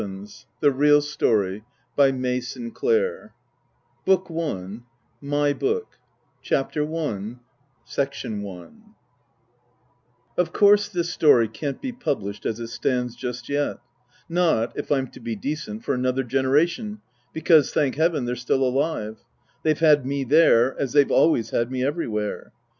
PATERNOSTER ROW :::: 1916 PR BOOK I BOOK TASKER JEVONS THE REAL STORY I OF course this story can't be published as it stands just yet. Not if I'm to be decent for another generation, because, thank Heaven, they're still alive. (They've had me there, as they've always had me every where.)